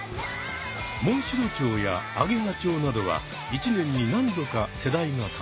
モンシロチョウやアゲハチョウなどは一年に何度か世代が変わる。